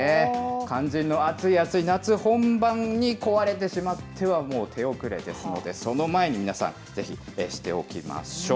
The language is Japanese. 肝心の暑い暑い夏本番に壊れてしまっては、もう手遅れですので、その前に皆さん、ぜひしておきましょう。